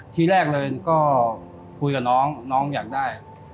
ทีแรกเลยก็คุยกับน้องน้องอยากได้